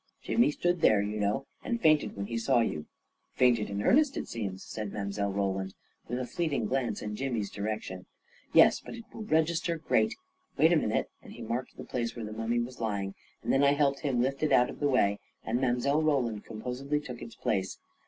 Jimmy stood there, you know, and fainted jnrhen he saw you." " Fainted in earnest, it seems," said Mile. Roland, with a fleeting glance in Jimmy's direction. " Yes — but it will register great. Wait a min ute," and he marked the place where the mummy was lying, and then I helped him lift it out of the way, and Mile. Roland composedly took its place.